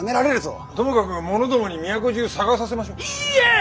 ともかく者どもに都中探させましょ。いいえ！